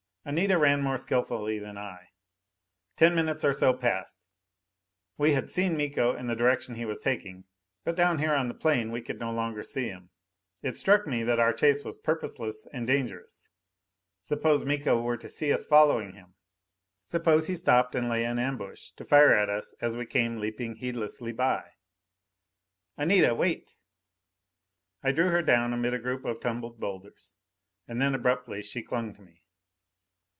Anita ran more skillfully than I. Ten minutes or so passed. We had seen Miko and the direction he was taking, but down here on the plain we could no longer see him. It struck me that our chase was purposeless and dangerous. Suppose Miko were to see us following him? Suppose he stopped and lay in ambush to fire at us as we came leaping heedlessly by? "Anita, wait!" I drew her down amid a group of tumbled boulders. And then abruptly she clung to me.